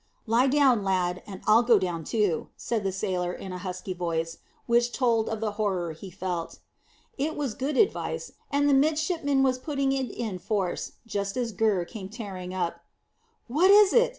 "Lie down, my lad, and I'll go down too," said the sailor in a husky voice, which told of the horror he felt. It was good advice, and the midshipman was putting it in force just as Gurr came tearing up. "What is it?"